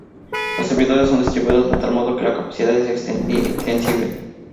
Los servidores son distribuidos de tal modo que la capacidad es extensible.